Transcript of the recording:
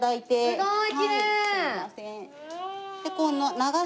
すごい！